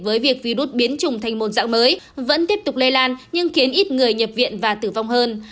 với việc virus biến trùng thành một dạng mới vẫn tiếp tục lây lan nhưng khiến ít người nhập viện và tử vong hơn